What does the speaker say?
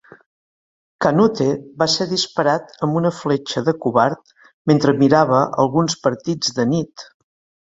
Canute va ser disparat amb una fletxa de covard mentre mirava alguns partits de nit.